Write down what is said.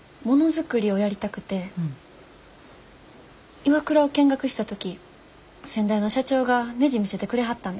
ＩＷＡＫＵＲＡを見学した時先代の社長がねじ見せてくれはったんです。